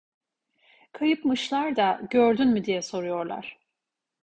Kayıpmışlar da, gördün mü diye soruyorlar!